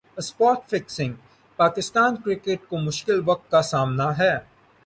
spot fixing Pakistan cricket کو مشکل وقت کا سامنا ہے